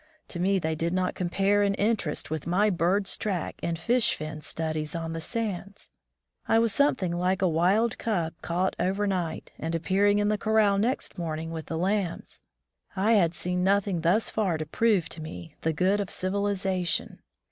To me they did not compare in inter est with my bird's track and fish fin studies on the sands. I was something like a wild cub caught overnight, and appearing in the corral next morning with the lambs. I had seen nothing thus far to prove to me the good of civilization.